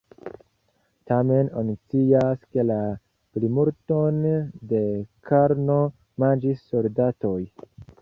Tamen, oni scias, ke la plimulton de karno manĝis soldatoj.